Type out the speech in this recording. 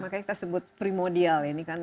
makanya kita sebut primodial ini kan